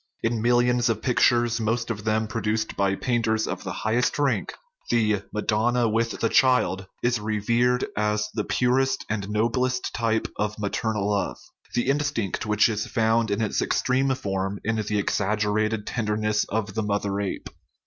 In millions of pictures, most of them produced by painters of the highest rank, the " madonna with the child" is revered as the purest and noblest type of maternal love the instinct which is found in its extreme form in the exaggerated ten derness of the mother ape.